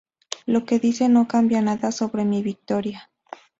Lo que dice no cambia nada sobre mi victoria.